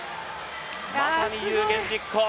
まさに有言実行。